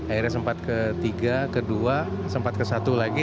akhirnya sempat ke tiga ke dua sempat ke satu lagi